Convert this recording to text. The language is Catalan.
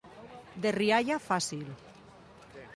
De rialla fàcil.